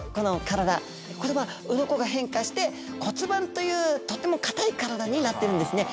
これはうろこが変化して「骨板」というとっても硬い体になってるんですね。